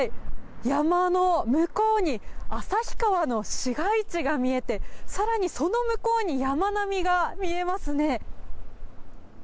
山の向こうに旭川の市街地が見えて更に、その向こうに山並みが見えますね。